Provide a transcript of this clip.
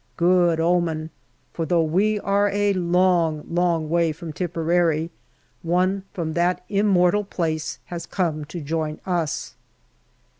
Good omen, for though we are a long, long way from Tipperary, one from that immortal place has come to join us.